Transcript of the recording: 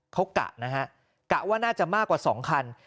เขากะนะฮะกะว่าน่าจะมากกว่า๒คัน